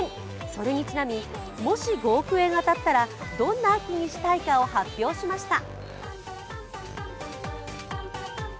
それにちなみ、もし５億円当たったらどんな秋にしたいかを発表しました。